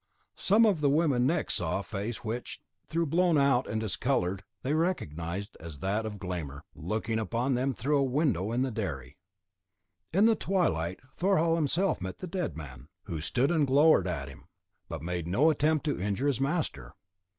Some of the women next saw a face which, though blown out and discoloured, they recognised as that of Glámr, looking in upon them through a window of the dairy. In the twilight, Thorhall himself met the dead man, who stood and glowered at him, but made no attempt to injure his master.